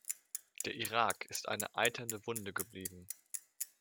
Der Irak ist eine eiternde Wunde geblieben.